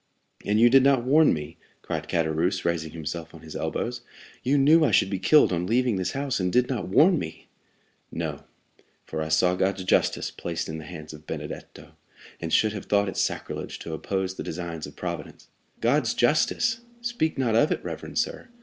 '" "And you did not warn me!" cried Caderousse, raising himself on his elbows. "You knew I should be killed on leaving this house, and did not warn me!" 40168m "No; for I saw God's justice placed in the hands of Benedetto, and should have thought it sacrilege to oppose the designs of Providence." "God's justice! Speak not of it, reverend sir.